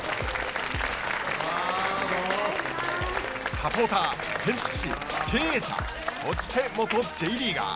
サポーター、建築士、経営者そして元Ｊリーガー。